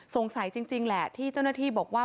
สงสัยจริงแหละที่เจ้าหน้าที่บอกว่า